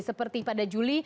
seperti pada juli